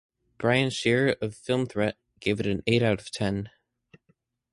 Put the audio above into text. Brian Shaer of "Film Threat" gave it an eight out of ten.